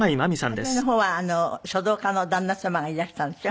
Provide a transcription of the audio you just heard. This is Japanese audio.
初めの方は書道家の旦那様がいらしたんでしょ？